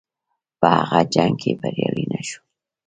په هغه جنګ کې بریالی نه شو.